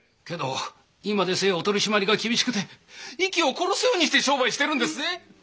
けど今でせえお取り締まりが厳しくて息を殺すようにして商売してるんですぜ。